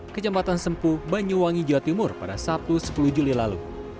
kecepatan sempu banyuwangi jawa timur pada sabtu sepuluh juli lalu